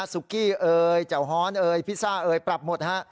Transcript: ซุกี้เอ่ยเจ้าฮ้อนเอ่ยพิซซ่าเอ่ยปรับหมดฮะ